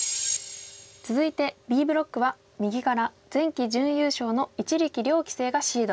続いてＢブロックは右から前期準優勝の一力遼棋聖がシード。